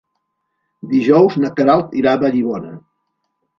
Dijous na Queralt irà a Vallibona.